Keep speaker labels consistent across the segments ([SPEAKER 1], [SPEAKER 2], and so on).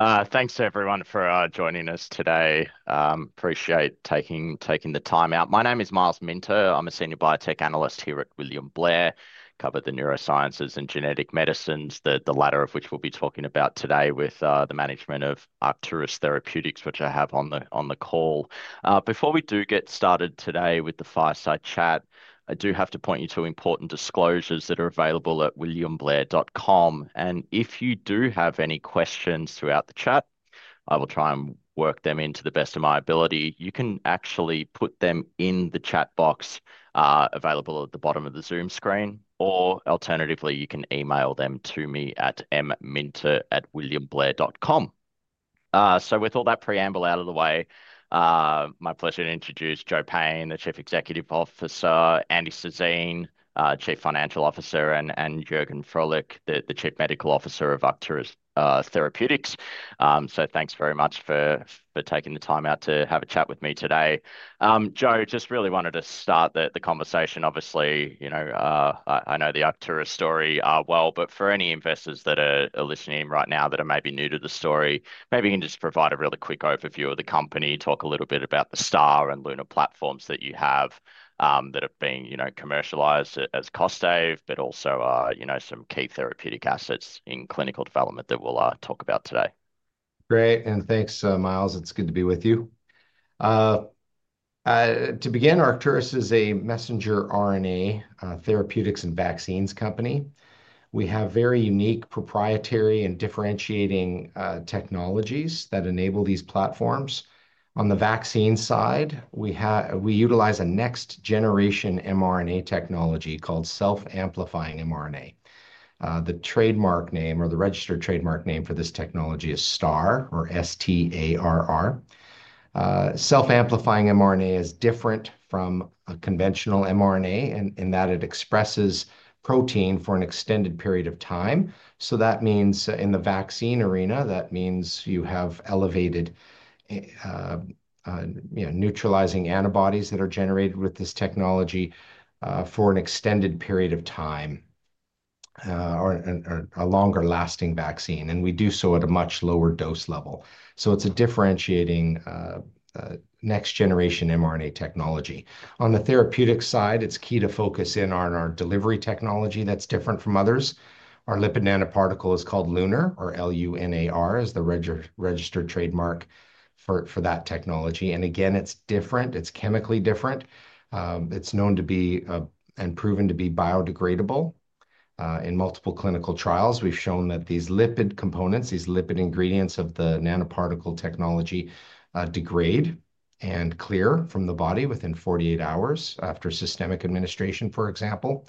[SPEAKER 1] Thanks to everyone for joining us today. Appreciate taking the time out. My name is Myles Minter. I'm a senior biotech analyst here at William Blair. Cover the neurosciences and genetic medicines, the latter of which we'll be talking about today with the management of Arcturus Therapeutics, which I have on the call. Before we do get started today with the fireside chat, I do have to point you to important disclosures that are available at williamblair.com. If you do have any questions throughout the chat, I will try and work them in to the best of my ability. You can actually put them in the chat box available at the bottom of the Zoom screen, or alternatively, you can email them to me at mminter@williamblair.com. With all that preamble out of the way, my pleasure to introduce Joe Payne, the Chief Executive Officer; Andy Sassine, Chief Financial Officer; and Juergen Froehlich, the Chief Medical Officer of Arcturus Therapeutics. Thanks very much for taking the time out to have a chat with me today. Joe, just really wanted to start the conversation. Obviously, I know the Arcturus story well, but for any investors that are listening right now that are maybe new to the story, maybe you can just provide a really quick overview of the company, talk a little bit about the STARR and LUNAR platforms that you have that have been commercialized as KOSTAIVE, but also some key therapeutic assets in clinical development that we'll talk about today.
[SPEAKER 2] Great. Thanks, Myles. It's good to be with you. To begin, Arcturus is a messenger RNA therapeutics and vaccines company. We have very unique proprietary and differentiating technologies that enable these platforms. On the vaccine side, we utilize a next-generation mRNA technology called self-amplifying mRNA. The registered trademark name for this technology is STARR, or S-T-A-R-R. Self-amplifying mRNA is different from a conventional mRNA in that it expresses protein for an extended period of time. That means in the vaccine arena, you have elevated neutralizing antibodies that are generated with this technology for an extended period of time or a longer-lasting vaccine. We do so at a much lower dose level. It's a differentiating next-generation mRNA technology. On the therapeutic side, it's key to focus in on our delivery technology that's different from others. Our lipid nanoparticle is called LUNAR, or L-U-N-A-R, as the registered trademark for that technology. It is different. It is chemically different. It is known to be and proven to be biodegradable. In multiple clinical trials, we have shown that these lipid components, these lipid ingredients of the nanoparticle technology, degrade and clear from the body within 48 hours after systemic administration, for example.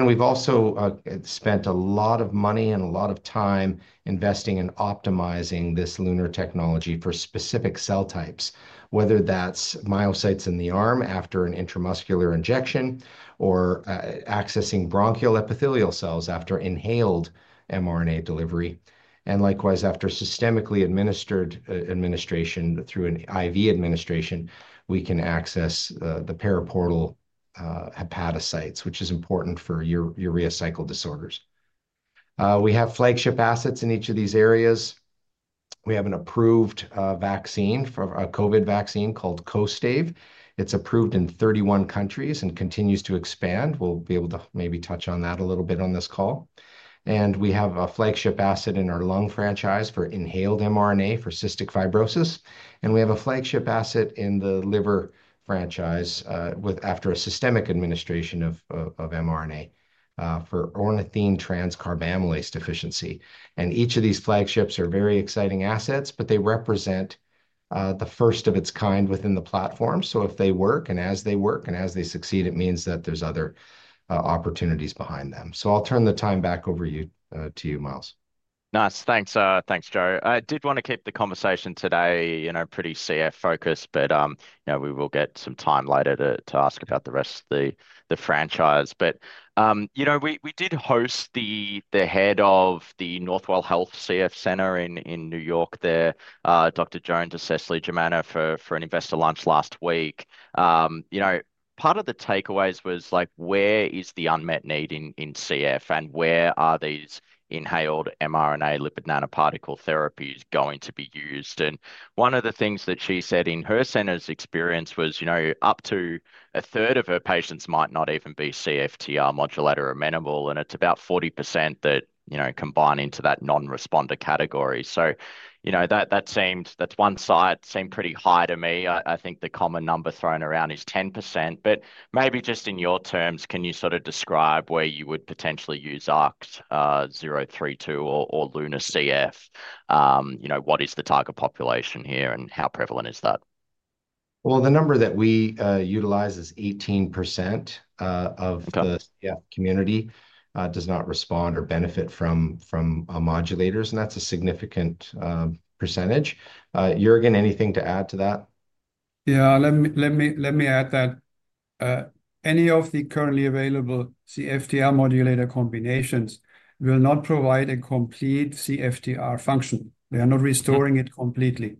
[SPEAKER 2] We have also spent a lot of money and a lot of time investing in optimizing this LUNAR technology for specific cell types, whether that is myocytes in the arm after an intramuscular injection or accessing bronchial epithelial cells after inhaled mRNA delivery. Likewise, after systemically administered administration through an IV administration, we can access the periportal hepatocytes, which is important for urea cycle disorders. We have flagship assets in each of these areas. We have an approved vaccine, a COVID vaccine called KOSTAIVE. It's approved in 31 countries and continues to expand. We'll be able to maybe touch on that a little bit on this call. We have a flagship asset in our lung franchise for inhaled mRNA for cystic fibrosis. We have a flagship asset in the liver franchise after a systemic administration of mRNA for ornithine transcarbamylase deficiency. Each of these flagships are very exciting assets, but they represent the first of its kind within the platform. If they work and as they work and as they succeed, it means that there's other opportunities behind them. I'll turn the time back over to you, Myles.
[SPEAKER 1] Nice. Thanks, Joe. I did want to keep the conversation today pretty CF-focused, but we will get some time later to ask about the rest of the franchise. We did host the head of the Northwell Health CF Center in New York there, Dr. Joan DeCelie-Germana, for an investor lunch last week. Part of the takeaways was, where is the unmet need in CF, and where are these inhaled mRNA lipid nanoparticle therapies going to be used? One of the things that she said in her center's experience was up to a third of her patients might not even be CFTR modulator amenable, and it is about 40% that combine into that non-responder category. That one side seemed pretty high to me. I think the common number thrown around is 10%. Maybe just in your terms, can you sort of describe where you would potentially use ARCT-032 or LUNAR CF? What is the target population here, and how prevalent is that?
[SPEAKER 2] The number that we utilize is 18% of the CF community does not respond or benefit from modulators, and that's a significant percentage. Juergen, anything to add to that?
[SPEAKER 3] Yeah, let me add that any of the currently available CFTR modulator combinations will not provide a complete CFTR function. They are not restoring it completely.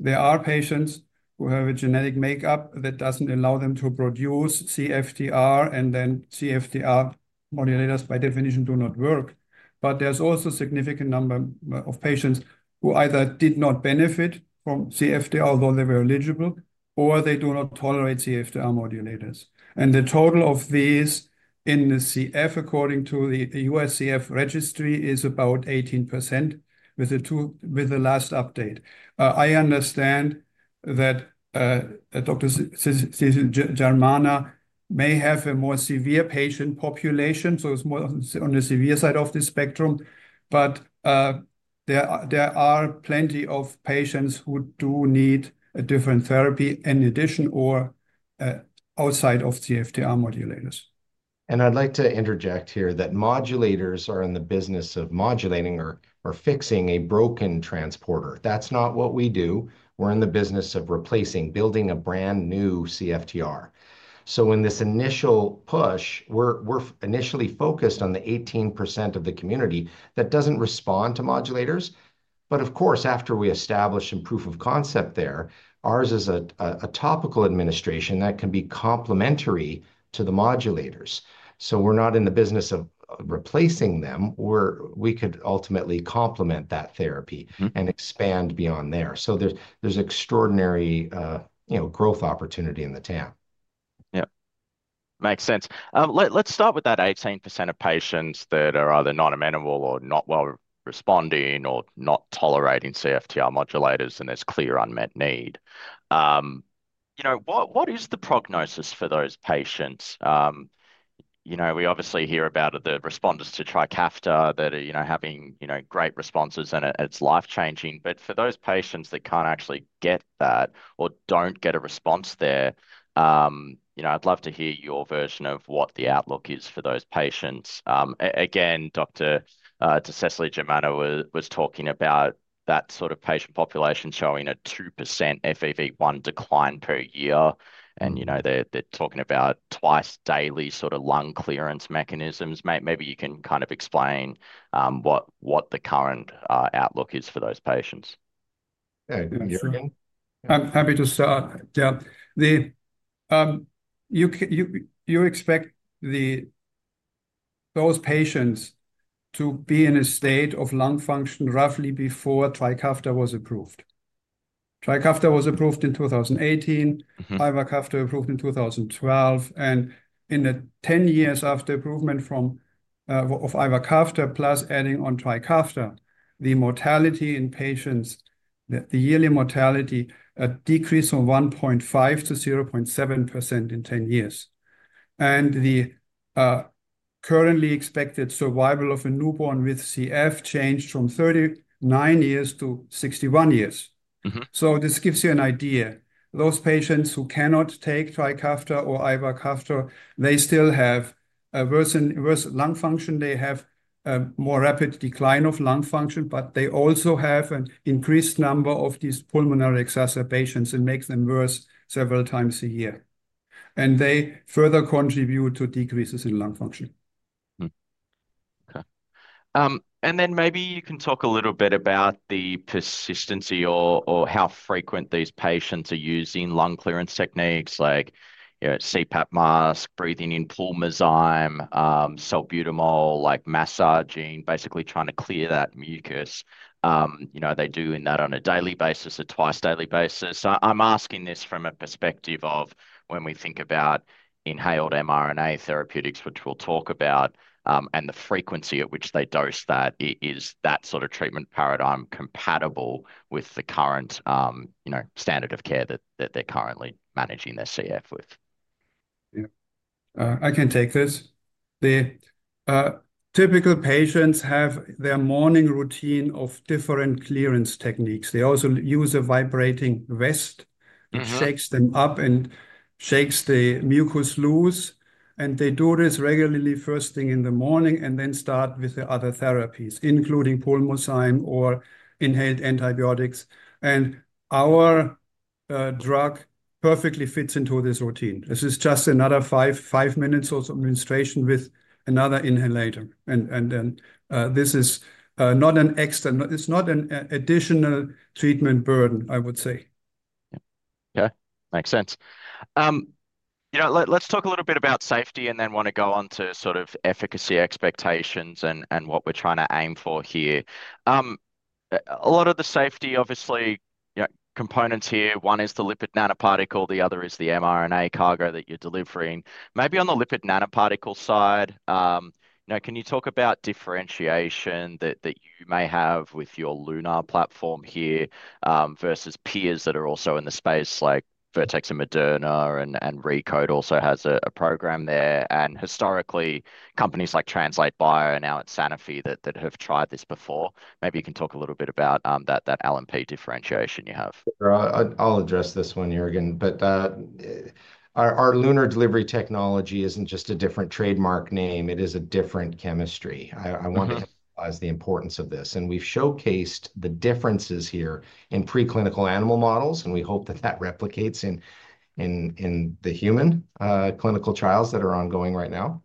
[SPEAKER 3] There are patients who have a genetic makeup that does not allow them to produce CFTR, and then CFTR modulators by definition do not work. There is also a significant number of patients who either did not benefit from CFTR, although they were eligible, or they do not tolerate CFTR modulators. The total of these in the CF, according to the U.S. CF registry, is about 18% with the last update. I understand that Dr. Joan DeCelie-Germana may have a more severe patient population, so it is more on the severe side of the spectrum, but there are plenty of patients who do need a different therapy in addition or outside of CFTR modulators.
[SPEAKER 2] I'd like to interject here that modulators are in the business of modulating or fixing a broken transporter. That's not what we do. We're in the business of replacing, building a brand new CFTR. In this initial push, we're initially focused on the 18% of the community that doesn't respond to modulators. Of course, after we establish some proof of concept there, ours is a topical administration that can be complementary to the modulators. We're not in the business of replacing them. We could ultimately complement that therapy and expand beyond there. There's extraordinary growth opportunity in the TAM.
[SPEAKER 1] Yeah. Makes sense. Let's start with that 18% of patients that are either non-amenable or not well responding or not tolerating CFTR modulators, and there's clear unmet need. What is the prognosis for those patients? We obviously hear about the responders to Trikafta that are having great responses, and it's life-changing. For those patients that can't actually get that or don't get a response there, I'd love to hear your version of what the outlook is for those patients. Again, Dr. DeCelie-Germana was talking about that sort of patient population showing a 2% FEV1 decline per year. They're talking about twice-daily sort of lung clearance mechanisms. Maybe you can kind of explain what the current outlook is for those patients.
[SPEAKER 3] Yeah. I'm happy to start. Yeah. You expect those patients to be in a state of lung function roughly before Trikafta was approved. Trikafta was approved in 2018, Ivacaftor approved in 2012. In the 10 years after approval of Ivacaftor plus adding on Trikafta, the mortality in patients, the yearly mortality, decreased from 1.5% to 0.7% in 10 years. The currently expected survival of a newborn with CF changed from 39 years to 61 years. This gives you an idea. Those patients who cannot take Trikafta or Ivacaftor, they still have worse lung function. They have more rapid decline of lung function, but they also have an increased number of these pulmonary exacerbations that make them worse several times a year. They further contribute to decreases in lung function.
[SPEAKER 1] Okay. Maybe you can talk a little bit about the persistency or how frequent these patients are using lung clearance techniques like CPAP mask, breathing in Pulmozyme, salbutamol, like massaging, basically trying to clear that mucus. They're doing that on a daily basis or twice-daily basis. I'm asking this from a perspective of when we think about inhaled mRNA therapeutics, which we'll talk about, and the frequency at which they dose that. Is that sort of treatment paradigm compatible with the current standard of care that they're currently managing their CF with?
[SPEAKER 3] Yeah. I can take this there. Typical patients have their morning routine of different clearance techniques. They also use a vibrating vest. It shakes them up and shakes the mucus loose. They do this regularly first thing in the morning and then start with the other therapies, including Pulmozyme or inhaled antibiotics. Our drug perfectly fits into this routine. This is just another five minutes of administration with another inhalator. This is not an extra; it's not an additional treatment burden, I would say.
[SPEAKER 1] Okay. Makes sense. Let's talk a little bit about safety and then want to go on to sort of efficacy expectations and what we're trying to aim for here. A lot of the safety, obviously, components here. One is the lipid nanoparticle. The other is the mRNA cargo that you're delivering. Maybe on the lipid nanoparticle side, can you talk about differentiation that you may have with your LUNAR platform here versus peers that are also in the space like Vertex and Moderna and ReCode also has a program there? Historically, companies like Translate Bio and now at Sanofi that have tried this before. Maybe you can talk a little bit about that LNP differentiation you have.
[SPEAKER 2] I'll address this one, Juergen. Our LUNAR delivery technology isn't just a different trademark name. It is a different chemistry. I want to emphasize the importance of this. We've showcased the differences here in preclinical animal models, and we hope that that replicates in the human clinical trials that are ongoing right now.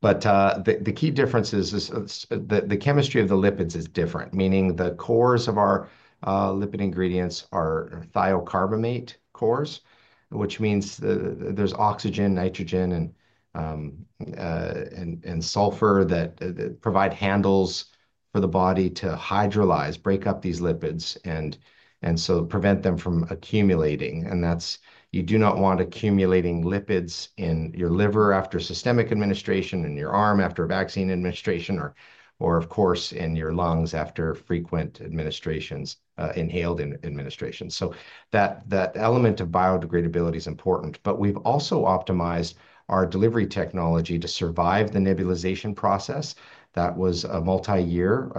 [SPEAKER 2] The key difference is the chemistry of the lipids is different, meaning the cores of our lipid ingredients are thiocarbamate cores, which means there's oxygen, nitrogen, and sulfur that provide handles for the body to hydrolyze, break up these lipids, and prevent them from accumulating. You do not want accumulating lipids in your liver after systemic administration, in your arm after vaccine administration, or, of course, in your lungs after frequent inhaled administrations. That element of biodegradability is important. We've also optimized our delivery technology to survive the nebulization process. That was a multi-year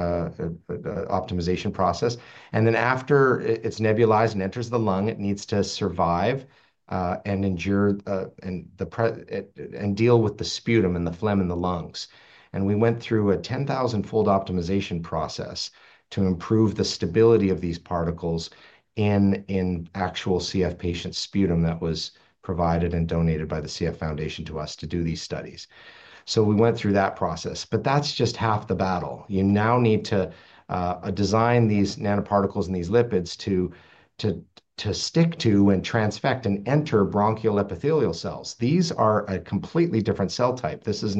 [SPEAKER 2] optimization process. After it's nebulized and enters the lung, it needs to survive and deal with the sputum and the phlegm in the lungs. We went through a 10,000-fold optimization process to improve the stability of these particles in actual CF patient sputum that was provided and donated by the CF Foundation to us to do these studies. We went through that process. That's just half the battle. You now need to design these nanoparticles and these lipids to stick to and transfect and enter bronchial epithelial cells. These are a completely different cell type. This is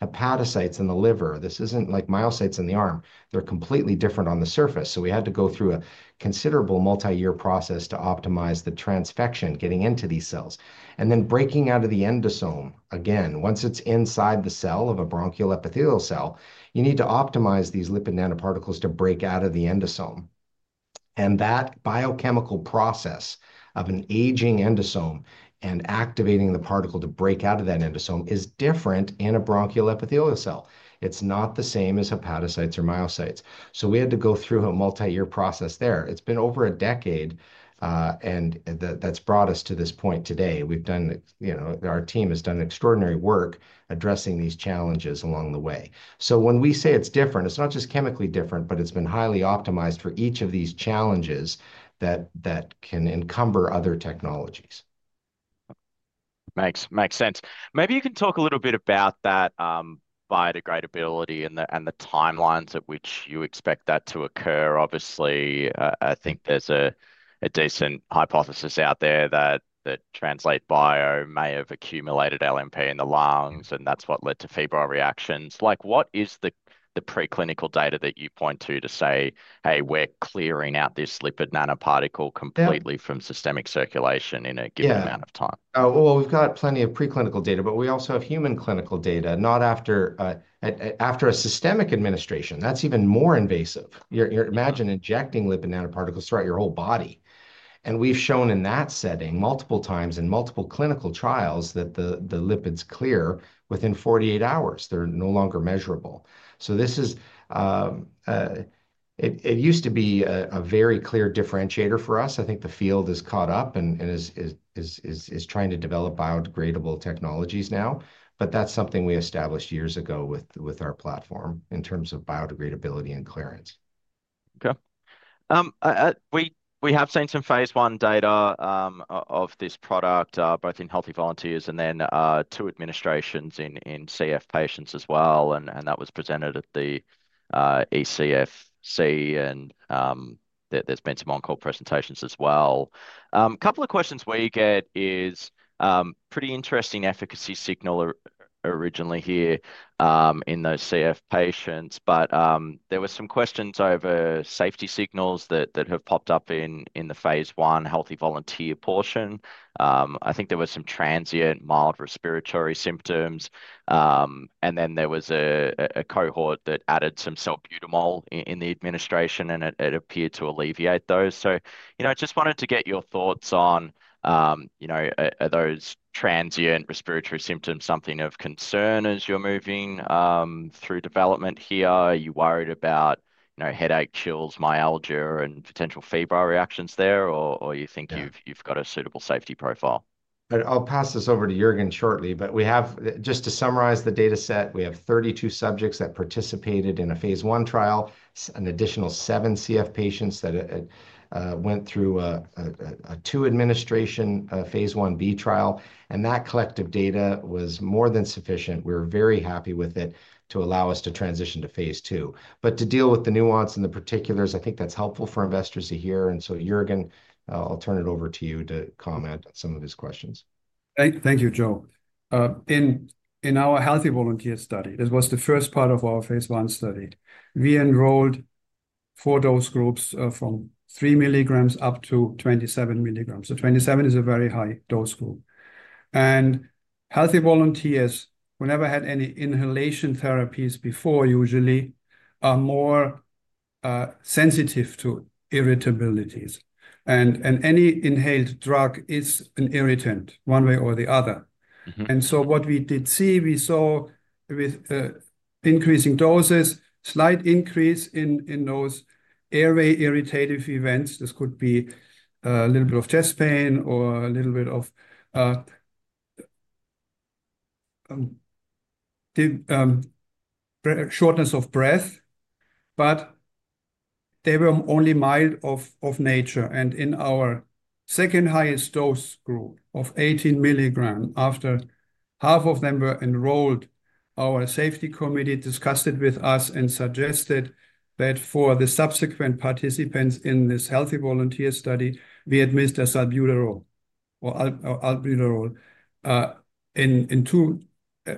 [SPEAKER 2] not hepatocytes in the liver. This isn't like myocytes in the arm. They're completely different on the surface. We had to go through a considerable multi-year process to optimize the transfection getting into these cells. Breaking out of the endosome, again, once it's inside the cell of a bronchial epithelial cell, you need to optimize these lipid nanoparticles to break out of the endosome. That biochemical process of an aging endosome and activating the particle to break out of that endosome is different in a bronchial epithelial cell. It's not the same as hepatocytes or myocytes. We had to go through a multi-year process there. It's been over a decade, and that's brought us to this point today. Our team has done extraordinary work addressing these challenges along the way. When we say it's different, it's not just chemically different, but it's been highly optimized for each of these challenges that can encumber other technologies.
[SPEAKER 1] Makes sense. Maybe you can talk a little bit about that biodegradability and the timelines at which you expect that to occur. Obviously, I think there's a decent hypothesis out there that Translate Bio may have accumulated LNP in the lungs, and that's what led to febrile reactions. What is the preclinical data that you point to to say, "Hey, we're clearing out this lipid nanoparticle completely from systemic circulation in a given amount of time?
[SPEAKER 2] We have got plenty of preclinical data, but we also have human clinical data. After a systemic administration, that is even more invasive. Imagine injecting lipid nanoparticles throughout your whole body. We have shown in that setting multiple times in multiple clinical trials that the lipids clear within 48 hours. They are no longer measurable. It used to be a very clear differentiator for us. I think the field has caught up and is trying to develop biodegradable technologies now. That is something we established years ago with our platform in terms of biodegradability and clearance.
[SPEAKER 1] Okay. We have seen some phase one data of this product both in healthy volunteers and then two administrations in CF patients as well. That was presented at the ECFS. There have been some on-call presentations as well. A couple of questions we get is pretty interesting efficacy signal originally here in those CF patients. There were some questions over safety signals that have popped up in the phase one healthy volunteer portion. I think there were some transient mild respiratory symptoms. There was a cohort that added some salbutamol in the administration, and it appeared to alleviate those. I just wanted to get your thoughts on those transient respiratory symptoms, something of concern as you're moving through development here. Are you worried about headache, chills, myalgia, and potential febrile reactions there, or you think you've got a suitable safety profile?
[SPEAKER 2] I'll pass this over to Juergen shortly. Just to summarize the dataset, we have 32 subjects that participated in a phase one trial, an additional seven CF patients that went through a two-administration phase one B trial. That collective data was more than sufficient. We were very happy with it to allow us to transition to phase two. To deal with the nuance and the particulars, I think that's helpful for investors to hear. Juergen, I'll turn it over to you to comment on some of these questions.
[SPEAKER 3] Thank you, Joe. In our healthy volunteer study, it was the first part of our phase one study. We enrolled four dose groups from 3 milligrams up to 27 milligrams. 27 is a very high dose group. Healthy volunteers, who never had any inhalation therapies before, usually are more sensitive to irritabilities. Any inhaled drug is an irritant one way or the other. What we did see, we saw with increasing doses, slight increase in those airway irritative events. This could be a little bit of chest pain or a little bit of shortness of breath. They were only mild of nature. In our second highest dose group of 18 milligrams, after half of them were enrolled, our safety committee discussed it with us and suggested that for the subsequent participants in this healthy volunteer study, we administer salbutamol in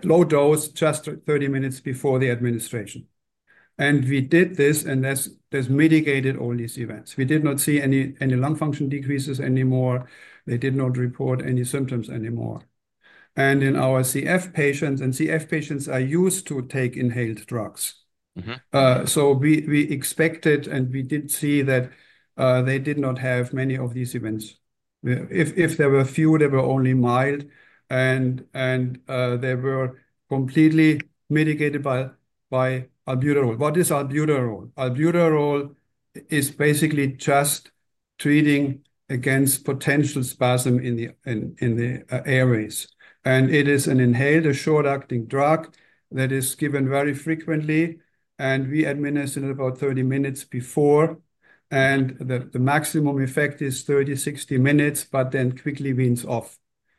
[SPEAKER 3] low dose just 30 minutes before the administration. We did this, and this mitigated all these events. We did not see any lung function decreases anymore. They did not report any symptoms anymore. In our CF patients, and CF patients are used to take inhaled drugs. We expected, and we did see that they did not have many of these events. If there were few, they were only mild. They were completely mitigated by albuterol. What is albuterol? Albuterol is basically just treating against potential spasm in the airways. It is an inhaled, a short-acting drug that is given very frequently. We administer it about 30 minutes before. The maximum effect is 30-60 minutes, but then quickly weans off.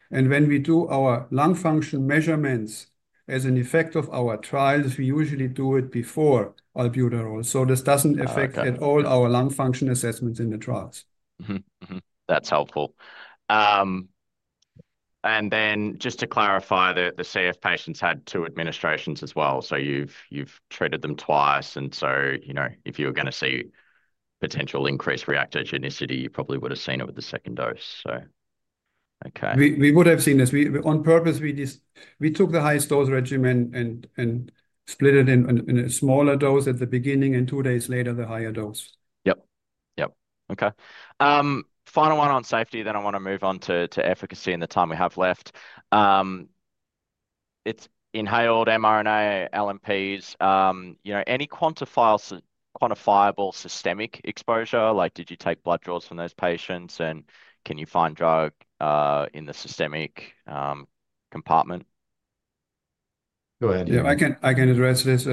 [SPEAKER 3] When we do our lung function measurements as an effect of our trials, we usually do it before albuterol. This does not affect at all our lung function assessments in the trials.
[SPEAKER 1] That's helpful. Just to clarify, the CF patients had two administrations as well. You've treated them twice. If you were going to see potential increased reactogenicity, you probably would have seen it with the second dose. Okay.
[SPEAKER 3] We would have seen this. On purpose, we took the highest dose regimen and split it in a smaller dose at the beginning and two days later, the higher dose.
[SPEAKER 1] Yep. Yep. Okay. Final one on safety. I want to move on to efficacy in the time we have left. It's inhaled mRNA, LNPs. Any quantifiable systemic exposure? Did you take blood draws from those patients? Can you find drug in the systemic compartment?
[SPEAKER 2] Go ahead.
[SPEAKER 3] Yeah. I can address this.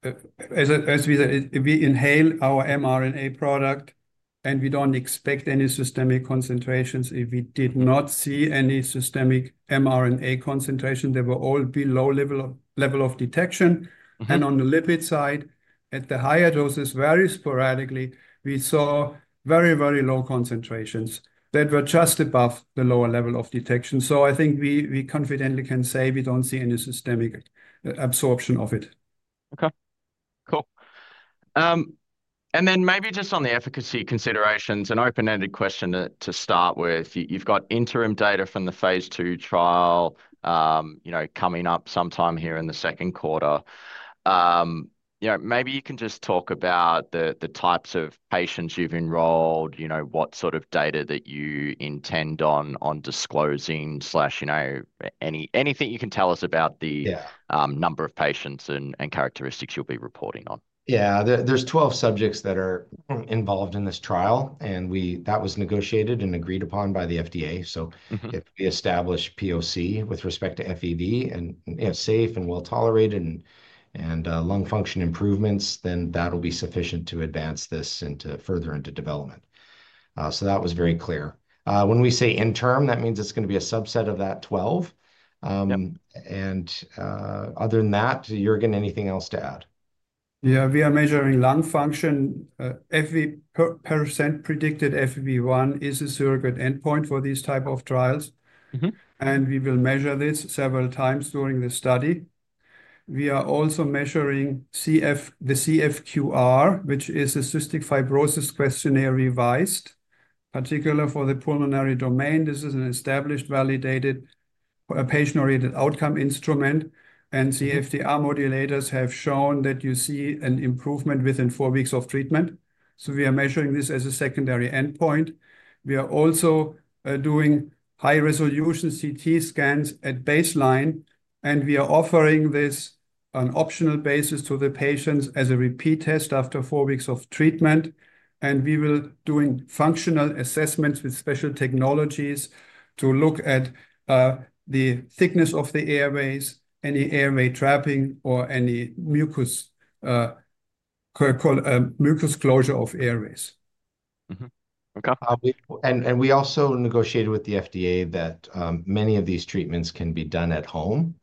[SPEAKER 3] As we inhale our mRNA product, and we don't expect any systemic concentrations. If we did not see any systemic mRNA concentration, they were all below level of detection. On the lipid side, at the higher doses, very sporadically, we saw very, very low concentrations that were just above the lower level of detection. I think we confidently can say we don't see any systemic absorption of it.
[SPEAKER 1] Okay. Cool. Maybe just on the efficacy considerations, an open-ended question to start with. You've got interim data from the phase two trial coming up sometime here in the second quarter. Maybe you can just talk about the types of patients you've enrolled, what sort of data that you intend on disclosing, anything you can tell us about the number of patients and characteristics you'll be reporting on.
[SPEAKER 2] Yeah. There are 12 subjects that are involved in this trial. That was negotiated and agreed upon by the FDA. If we establish POC with respect to FEV1 and safe and well-tolerated and lung function improvements, that will be sufficient to advance this further into development. That was very clear. When we say interim, that means it is going to be a subset of that 12. Other than that, Juergen, anything else to add?
[SPEAKER 3] Yeah. We are measuring lung function. Every % predicted FEV1 is a surrogate endpoint for these types of trials. We will measure this several times during the study. We are also measuring the CFQR, which is the Cystic Fibrosis Questionnaire-Revised, particular for the pulmonary domain. This is an established, validated, patient-oriented outcome instrument. CFTR modulators have shown that you see an improvement within four weeks of treatment. We are measuring this as a secondary endpoint. We are also doing high-resolution CT scans at baseline. We are offering this on an optional basis to the patients as a repeat test after four weeks of treatment. We will be doing functional assessments with special technologies to look at the thickness of the airways, any airway trapping, or any mucus closure of airways.
[SPEAKER 1] Okay.
[SPEAKER 2] We also negotiated with the FDA that many of these treatments can be done at home.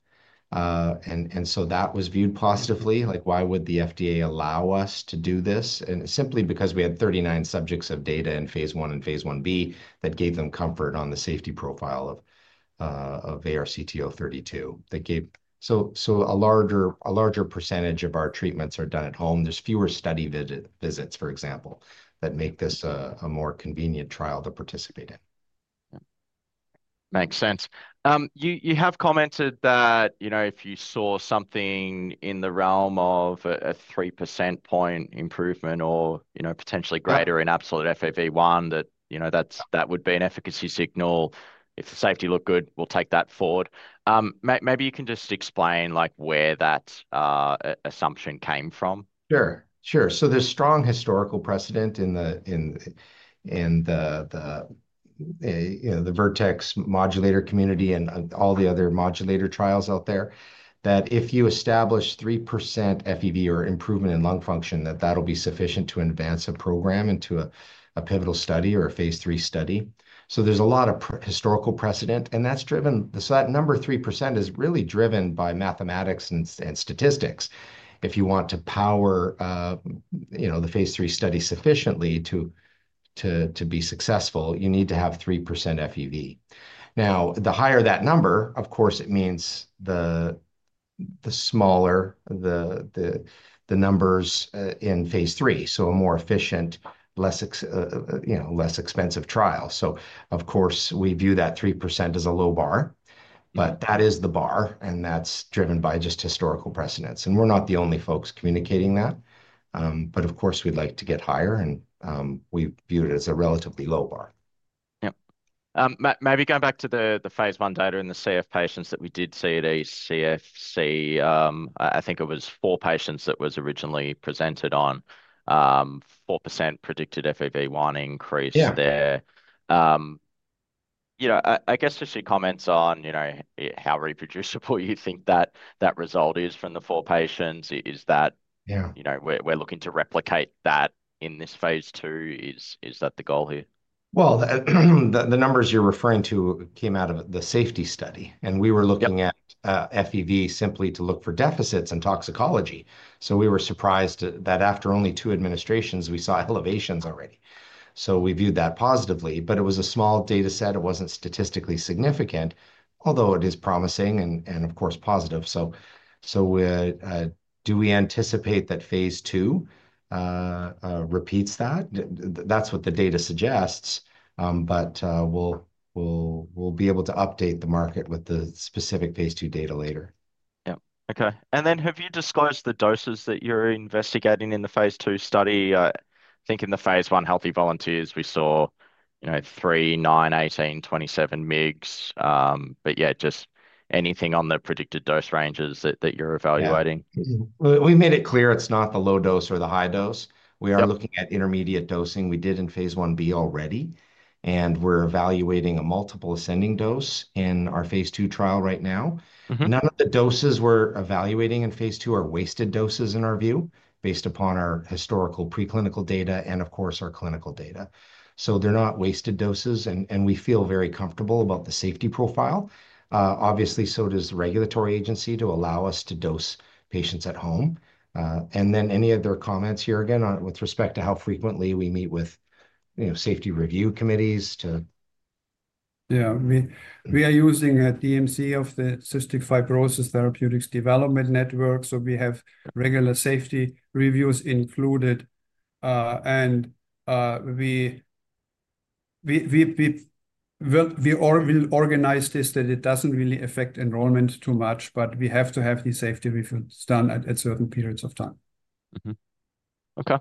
[SPEAKER 2] That was viewed positively. Why would the FDA allow us to do this? Simply because we had 39 subjects of data in phase I and phase IB that gave them comfort on the safety profile of ARCT-032. A larger percentage of our treatments are done at home. There are fewer study visits, for example, that make this a more convenient trial to participate in.
[SPEAKER 1] Makes sense. You have commented that if you saw something in the realm of a 3% point improvement or potentially greater in absolute FEV1, that would be an efficacy signal. If the safety looked good, we'll take that forward. Maybe you can just explain where that assumption came from.
[SPEAKER 2] Sure. Sure. There is strong historical precedent in the Vertex modulator community and all the other modulator trials out there that if you establish 3% FEV1 or improvement in lung function, that will be sufficient to advance a program into a pivotal study or a phase three study. There is a lot of historical precedent. That number, 3%, is really driven by mathematics and statistics. If you want to power the phase three study sufficiently to be successful, you need to have 3% FEV1. The higher that number, of course, it means the smaller the numbers in phase three, so a more efficient, less expensive trial. Of course, we view that 3% as a low bar. That is the bar, and that is driven by just historical precedence. We are not the only folks communicating that. Of course, we'd like to get higher, and we view it as a relatively low bar.
[SPEAKER 1] Yep. Maybe going back to the phase one data in the CF patients that we did see at ECFS, I think it was four patients that was originally presented on 4% predicted FEV1 increase there. I guess just your comments on how reproducible you think that result is from the four patients. Is that we're looking to replicate that in this phase two? Is that the goal here?
[SPEAKER 2] The numbers you're referring to came out of the safety study. We were looking at FEV simply to look for deficits in toxicology. We were surprised that after only two administrations, we saw elevations already. We viewed that positively. It was a small dataset. It was not statistically significant, although it is promising and, of course, positive. Do we anticipate that phase two repeats that? That is what the data suggests. We will be able to update the market with the specific phase two data later.
[SPEAKER 1] Yep. Okay. Have you disclosed the doses that you're investigating in the phase two study? I think in the phase one healthy volunteers, we saw 3, 9, 18, 27 mg. Anything on the predicted dose ranges that you're evaluating?
[SPEAKER 2] We made it clear it's not the low dose or the high dose. We are looking at intermediate dosing. We did in phase one B already. We are evaluating a multiple ascending dose in our phase two trial right now. None of the doses we're evaluating in phase two are wasted doses in our view, based upon our historical preclinical data and, of course, our clinical data. They are not wasted doses. We feel very comfortable about the safety profile. Obviously, so does the regulatory agency to allow us to dose patients at home. Any other comments here again with respect to how frequently we meet with safety review committees too.
[SPEAKER 3] Yeah. We are using a DMC of the Cystic Fibrosis Therapeutics Development Network. We have regular safety reviews included. We will organize this that it doesn't really affect enrollment too much. We have to have these safety reviews done at certain periods of time.
[SPEAKER 1] Okay.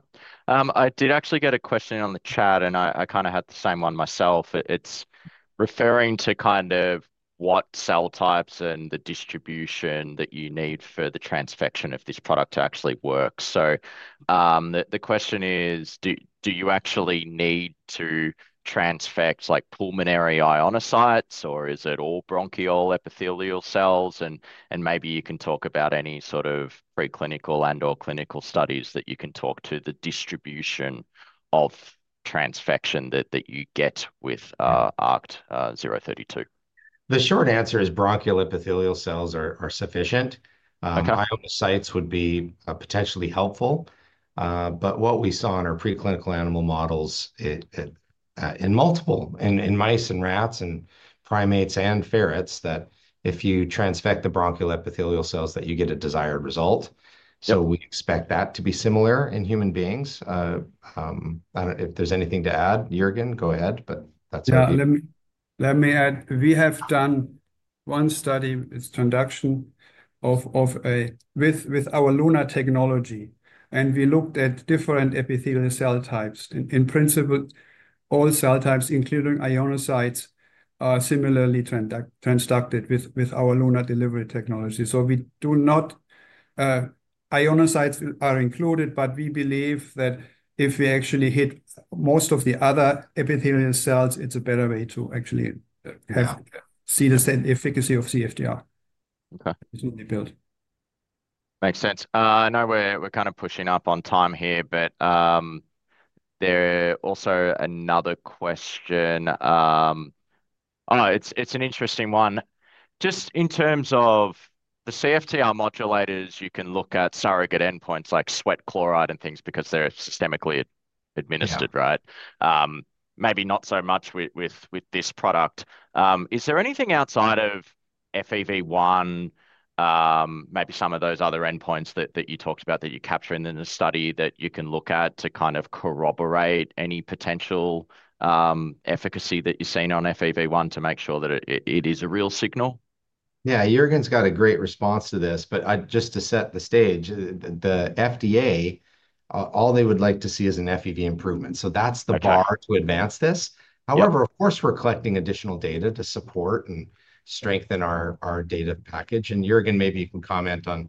[SPEAKER 1] I did actually get a question on the chat, and I kind of had the same one myself. It's referring to kind of what cell types and the distribution that you need for the transfection of this product to actually work. The question is, do you actually need to transfect pulmonary ionocytes, or is it all bronchial epithelial cells? Maybe you can talk about any sort of preclinical and/or clinical studies that you can talk to the distribution of transfection that you get with ARCT-032.
[SPEAKER 2] The short answer is bronchial epithelial cells are sufficient. Ionocytes would be potentially helpful. What we saw in our preclinical animal models in multiple in mice and rats and primates and ferrets is that if you transfect the bronchial epithelial cells, you get a desired result. We expect that to be similar in human beings. I don't know if there's anything to add. Juergen, go ahead. That's it.
[SPEAKER 3] Yeah. Let me add. We have done one study. It's a transduction with our LUNAR technology. And we looked at different epithelial cell types. In principle, all cell types, including ionocytes, are similarly transducted with our LUNAR delivery technology. Ionocytes are included, but we believe that if we actually hit most of the other epithelial cells, it's a better way to actually see the efficacy of CFTR.
[SPEAKER 1] Makes sense. I know we're kind of pushing up on time here, but there's also another question. Oh, it's an interesting one. Just in terms of the CFTR modulators, you can look at surrogate endpoints like sweat chloride and things because they're systemically administered, right? Maybe not so much with this product. Is there anything outside of FEV1, maybe some of those other endpoints that you talked about that you capture in the study that you can look at to kind of corroborate any potential efficacy that you've seen on FEV1 to make sure that it is a real signal?
[SPEAKER 2] Yeah. Juergen's got a great response to this. Just to set the stage, the FDA, all they would like to see is an FEV1 improvement. That's the bar to advance this. Of course, we're collecting additional data to support and strengthen our data package. Juergen, maybe you can comment on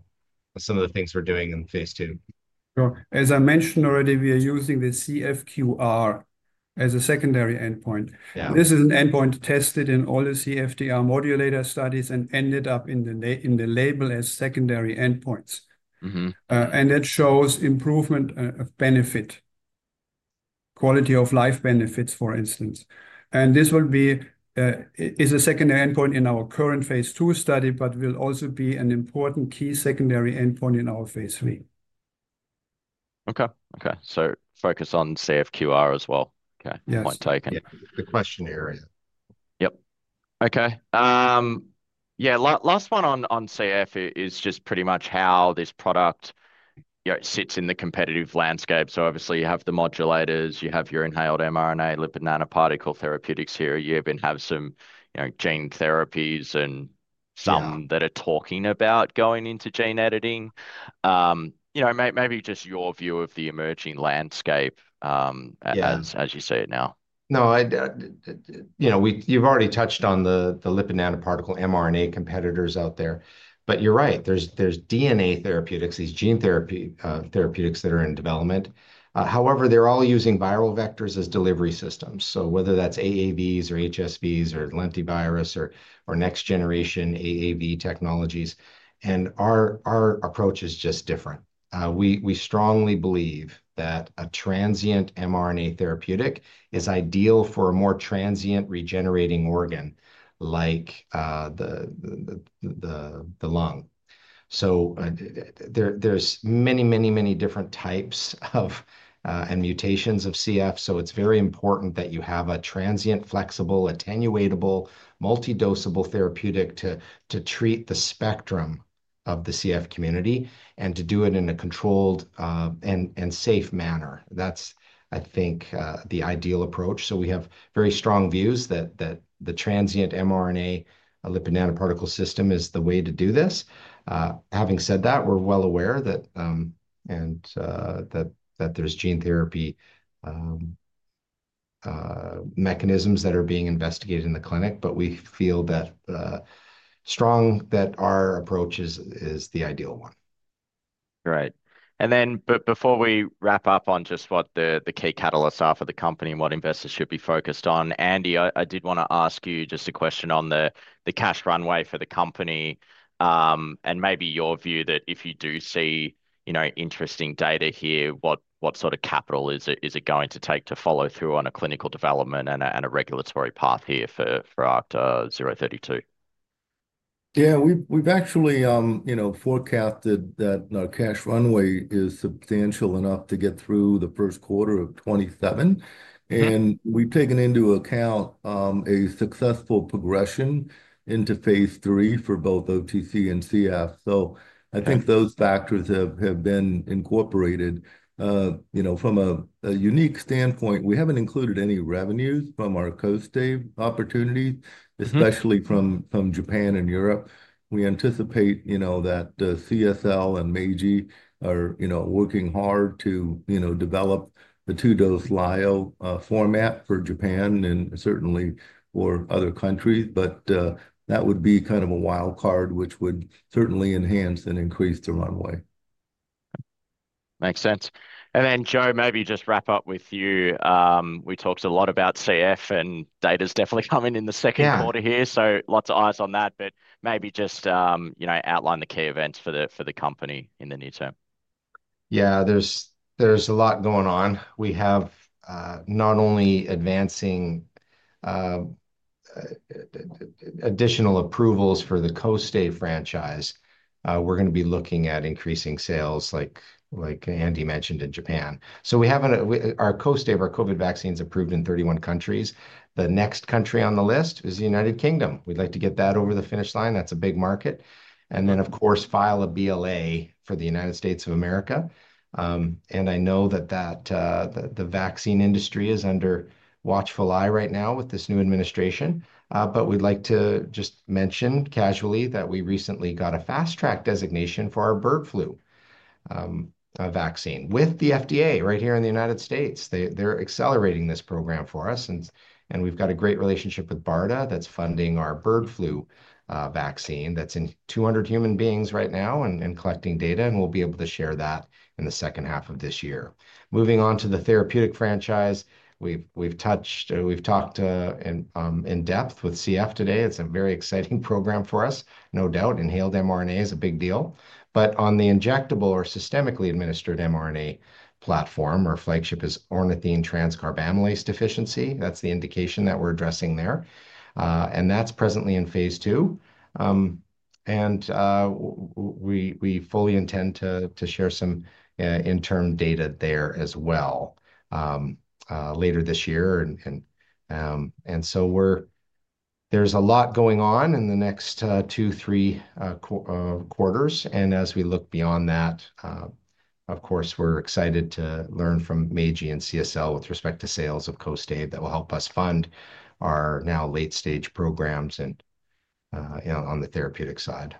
[SPEAKER 2] some of the things we're doing in phase two.
[SPEAKER 3] Sure. As I mentioned already, we are using the CFQR as a secondary endpoint. This is an endpoint tested in all the CFTR modulator studies and ended up in the label as secondary endpoints. That shows improvement of benefit, quality of life benefits, for instance. This is a secondary endpoint in our current phase two study, but will also be an important key secondary endpoint in our phase three.
[SPEAKER 1] Okay. Okay. Focus on CFQR as well. Okay. Point taken.
[SPEAKER 2] Yeah. The questionnaire.
[SPEAKER 1] Yep. Okay. Yeah. Last one on CF is just pretty much how this product sits in the competitive landscape. Obviously, you have the modulators. You have your inhaled mRNA, lipid nanoparticle therapeutics here. You even have some gene therapies and some that are talking about going into gene editing. Maybe just your view of the emerging landscape as you see it now.
[SPEAKER 2] No. You've already touched on the lipid nanoparticle mRNA competitors out there. You're right. There's DNA therapeutics, these gene therapeutics that are in development. However, they're all using viral vectors as delivery systems, whether that's AAVs or HSVs or lentivirus or next-generation AAV technologies, and our approach is just different. We strongly believe that a transient mRNA therapeutic is ideal for a more transient regenerating organ like the lung. There are many, many, many different types and mutations of CF. It's very important that you have a transient, flexible, attenuable, multi-dosable therapeutic to treat the spectrum of the CF community and to do it in a controlled and safe manner. That's, I think, the ideal approach. We have very strong views that the transient mRNA lipid nanoparticle system is the way to do this. Having said that, we're well aware that there's gene therapy mechanisms that are being investigated in the clinic. We feel that our approach is the ideal one.
[SPEAKER 1] Great. Before we wrap up on just what the key catalysts are for the company and what investors should be focused on, Andy, I did want to ask you just a question on the cash runway for the company and maybe your view that if you do see interesting data here, what sort of capital is it going to take to follow through on a clinical development and a regulatory path here for ARCT-032?
[SPEAKER 4] Yeah. We've actually forecasted that cash runway is substantial enough to get through the first quarter of 2027. We've taken into account a successful progression into phase three for both OTC and CF. I think those factors have been incorporated. From a unique standpoint, we haven't included any revenues from our KOSTAIVE opportunities, especially from Japan and Europe. We anticipate that CSL and Meiji are working hard to develop the two-dose LUNAR format for Japan and certainly for other countries. That would be kind of a wild card, which would certainly enhance and increase the runway.
[SPEAKER 1] Makes sense. Joe, maybe just wrap up with you. We talked a lot about CF, and data's definitely coming in the second quarter here. Lots of eyes on that. Maybe just outline the key events for the company in the near term.
[SPEAKER 2] Yeah. There's a lot going on. We have not only advancing additional approvals for the KOSTAIVE franchise. We're going to be looking at increasing sales, like Andy mentioned, in Japan. So our KOSTAIVE, our COVID vaccine is approved in 31 countries. The next country on the list is the United Kingdom. We'd like to get that over the finish line. That's a big market. Of course, file a BLA for the United States of America. I know that the vaccine industry is under watchful eye right now with this new administration. We'd like to just mention casually that we recently got a fast-track designation for our bird flu vaccine with the FDA right here in the United States. They're accelerating this program for us. We have a great relationship with BARDA that's funding our bird flu vaccine that's in 200 human beings right now and collecting data. We will be able to share that in the second half of this year. Moving on to the therapeutic franchise, we've talked in depth with CF today. It's a very exciting program for us. No doubt, inhaled mRNA is a big deal. On the injectable or systemically administered mRNA platform, our flagship is ornithine transcarbamylase deficiency. That's the indication that we're addressing there. That's presently in phase two. We fully intend to share some interim data there as well later this year. There is a lot going on in the next two, three quarters. As we look beyond that, of course, we're excited to learn from Meiji and CSL with respect to sales of KOSTAIVE that will help us fund our now late-stage programs on the therapeutic side.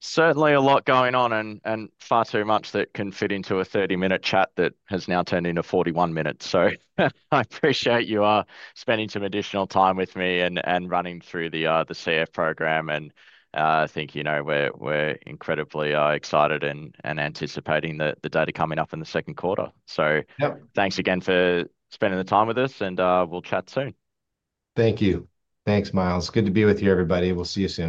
[SPEAKER 1] Certainly a lot going on and far too much that can fit into a 30-minute chat that has now turned into 41 minutes. I appreciate you spending some additional time with me and running through the CF program. I think we're incredibly excited and anticipating the data coming up in the second quarter. Thanks again for spending the time with us. We'll chat soon.
[SPEAKER 2] Thank you. Thanks, Myles. Good to be with you, everybody. We'll see you soon.